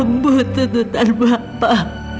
tembuk tentutan bapak